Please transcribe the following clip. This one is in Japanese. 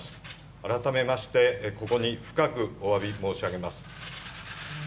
改めまして、ここに深くおわび申し上げます。